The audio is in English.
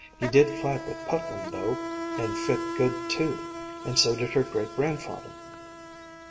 He did fight with Putnam, though, and fit good too, and so did her great grandfather."